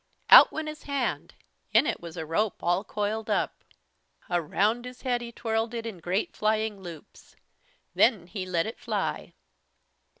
Out went his hand. In it was a rope all coiled up. Around his head he twirled it, in great flying loops. Then he let it fly.